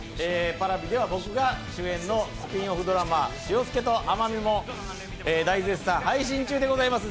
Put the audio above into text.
Ｐａｒａｖｉでは僕が主演のスピンオフドラマ「塩介と甘実」も大絶賛配信中でございます。